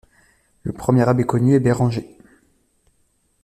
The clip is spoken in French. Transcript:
Le premier abbé connu est Bérenger.